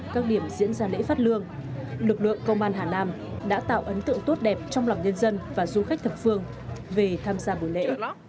các lực lượng công an hà nam đã tạo ấn tượng tốt đẹp trong lòng nhân dân và du khách thật phương về tham gia buổi lễ